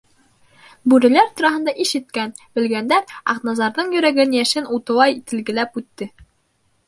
Бүреләр тураһында ишеткән-белгәндәр Аҡназарҙың йөрәген йәшен утылай телгеләп үтте...